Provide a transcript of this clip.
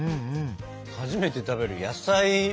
初めて食べる野菜。